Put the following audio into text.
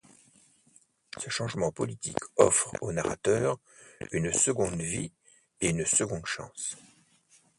Ce changement politique offre au narrateur une seconde vie et une seconde chance.